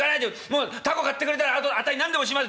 もう凧買ってくれたらあとあたい何でもします。